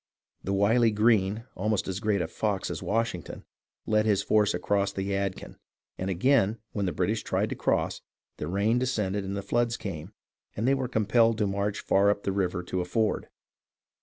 The wily Greene, almost as great a "fox" as Washington, led his force across the Yadkin, and again when the British tried to cross, the rain descended and the floods came, and they were compelled to march far up the river to a ford.